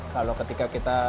kalau ketika kita